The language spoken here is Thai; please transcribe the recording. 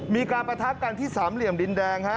มีการประทะกันที่สามเหลี่ยมดินแดง